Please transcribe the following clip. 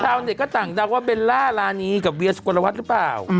ชาวนี้ก็ต่างดังว่าเบลล่าลานีกับเวียสกรวรวัฏหรือเปล่า